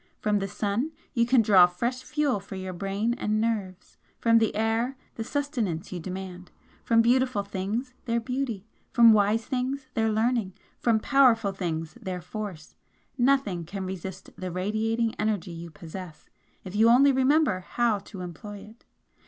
From the sun you can draw fresh fuel for your brain and nerves from the air the sustenance you demand from beautiful things their beauty, from wise things their learning, from powerful things their force NOTHING can resist the radiating energy you possess if you only remember HOW to employ it.